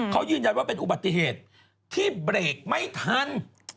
เขายืนยันว่าเป็นอุบัติเหตุที่เบรกไม่ทัน